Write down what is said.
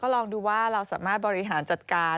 ลองดูว่าเราสามารถบริหารจัดการ